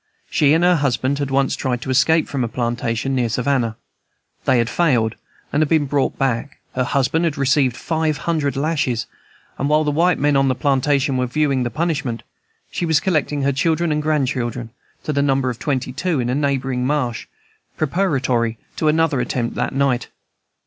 She and her husband had once tried to escape from a plantation near Savannah. They had failed, and had been brought back; the husband had received five hundred lashes, and while the white men on the plantation were viewing the punishment, she was collecting her children and grandchildren, to the number of twenty two, in a neighboring marsh, preparatory to another attempt that night.